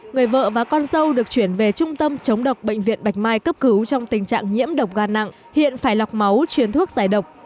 người vợ và con dâu được chuyển về trung tâm chống độc bệnh viện bạch mai cấp cứu trong tình trạng nhiễm độc gan nặng hiện phải lọc máu chuyển thuốc giải độc